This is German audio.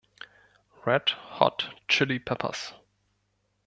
Red Hot Chilli Peppers